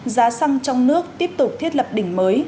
giá xăng trong nước tiếp tục thiết lập đỉnh mới